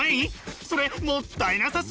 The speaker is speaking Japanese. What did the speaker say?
それもったいなさすぎ！